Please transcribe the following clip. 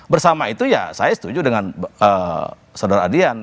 bersama itu ya saya setuju dengan saudara adian